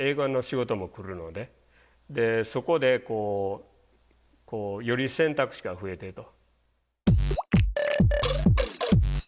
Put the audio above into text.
そこでこうより選択肢が増えてると。